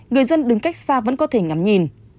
người dân đứng cách xa vẫn có thể ngắm nhìn